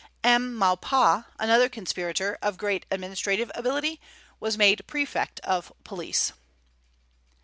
M. Maupas, another conspirator, of great administrative ability, was made prefect of police.